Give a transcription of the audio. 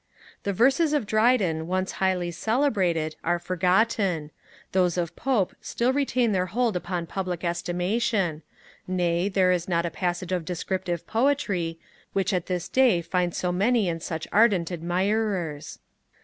The verses of Dryden, once highly celebrated, are forgotten; those of Pope still retain their hold upon public estimation, nay, there is not a passage of descriptive poetry, which at this day finds so many and such ardent admirers.